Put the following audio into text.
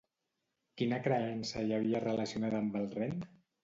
Quina creença hi havia relacionada amb el Ren?